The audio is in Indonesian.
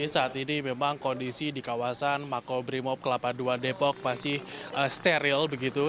saat ini memang kondisi di kawasan makobrimob kelapa dua depok masih steril begitu